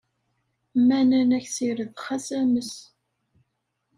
Ma nnan-ak ssired, xas ames.